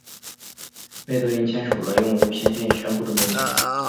魏德林签署了用无线电宣布的命令。